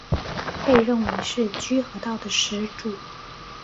被认为是居合道的始祖。